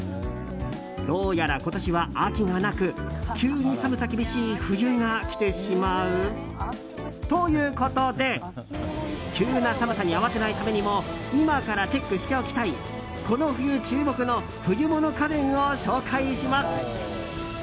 どうやら今年は秋がなく急に寒さ厳しい冬が来てしまう？ということで急な寒さに慌てないためにも今からチェックしておきたいこの冬注目の冬物家電を紹介します。